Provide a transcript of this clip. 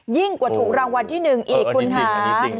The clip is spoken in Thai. ยิ่งกว่าถูกรางวัลที่๑อีกคุณค่ะ